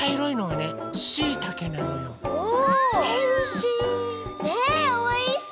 ねえおいしそう！